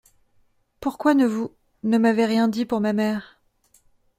Pourquoi ne vous… ne m’avez rien dit pour ma mère ?